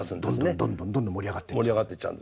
どんどん盛り上がっていっちゃう。